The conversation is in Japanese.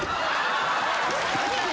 何やねん！